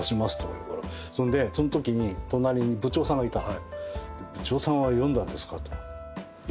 そんでそんときに隣に部長さんがいたの。